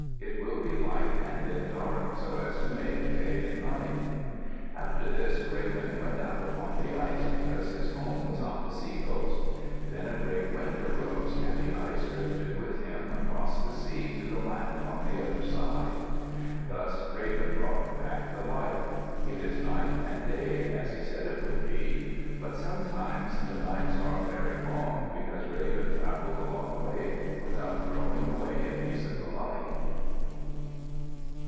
It will be light and then dark, so as to make day and night." After this Raven went out upon the ice because his home was on the seacoast. Then a great wind arose, and the ice drifted with him across the sea to the land on the other side. Thus Raven brought back the light. It is night and day, as he said it would be. But sometimes the nights are very long because Raven travelled a long way without throwing away a piece of the light.